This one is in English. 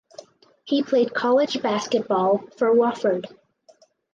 He played college basketball for Wofford.